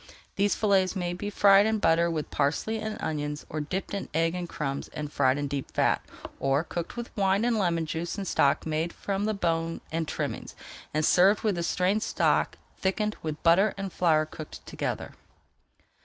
These fillets may be fried in butter with parsley and onions, or dipped in egg and crumbs, and fried in deep fat, or cooked with wine and lemon juice in stock made [Page 399] from the bone and trimmings, and served with the strained stock thickened with butter and flour cooked together.